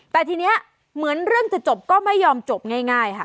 แต่ทีนี้เหมือนเรื่องจะจบก็ไม่ยอมจบง่ายค่ะ